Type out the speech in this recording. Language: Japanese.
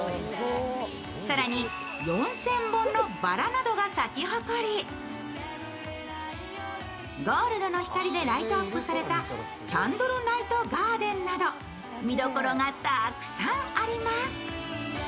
更に４０００本のバラなどが咲き誇り、ゴールドの光でライトアップされたキャンドルナイトガーデンなど見どころがたくさんあります。